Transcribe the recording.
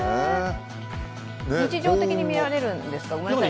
日常的に見られるんですか？